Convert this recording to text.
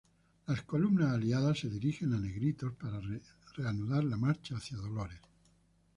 Las columnas aliadas se dirigen a Negritos, para reanudar la marcha hacia Dolores.